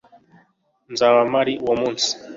nzaba mpari uwo munsi